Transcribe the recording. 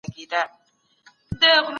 آيا اقتصادي پرمختيا يوازي کمي شاخصونه لري؟